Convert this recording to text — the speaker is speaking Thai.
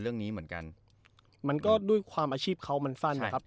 เรื่องนี้เหมือนกันมันก็ด้วยความอาชีพเขามันสั้นนะครับ